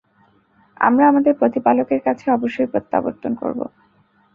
আমরা আমাদের প্রতিপালকের কাছে অবশ্যই প্রত্যাবর্তন করব।